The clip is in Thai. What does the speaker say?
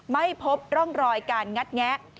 ไม่พบร่องรอยการงัดแงะ